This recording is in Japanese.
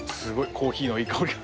コーヒーのいい香りが。